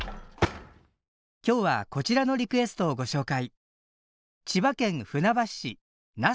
今日はこちらのリクエストをご紹介。